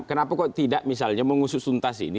kenapa kok tidak misalnya mengususuntas ini